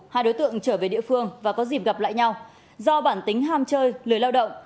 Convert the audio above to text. hai đối tượng trở về địa phương và có dịp gặp lại nhau do bản tính ham chơi lười lao động